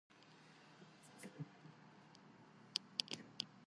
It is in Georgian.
მდებარეობს სვანეთის ქედის სამხრეთ განშტოების ქარაფოვან თხემზე.